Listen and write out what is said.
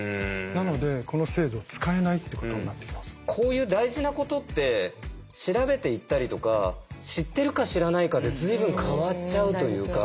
なのでこの制度を使えないってことになっています。こういう大事なことって調べていったりとか知ってるか知らないかで随分変わっちゃうというか。